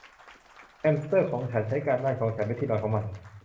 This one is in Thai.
แฮมสเตอร์ของฉันใช้การบ้านของฉันเป็นที่นอนของมัน